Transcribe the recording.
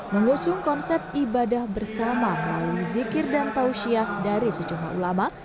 mengusung konsep ibadah bersama melalui zikir dan tausiah dari sejumlah ulama